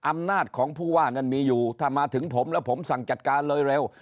อำนาจของผู้ว่านั้นมีอยู่ถ้ามาถึงผมแล้วผมสั่งจัดการเลยเร็ว